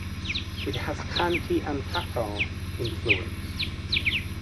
It has Khanty and Tatar influence.